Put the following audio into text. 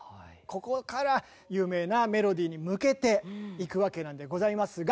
ここから有名なメロディに向けていくわけなんでございますが。